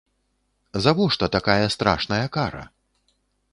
Завошта такая страшная кара?